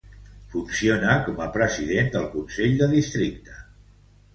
Funciona com a president del Consell de Districte.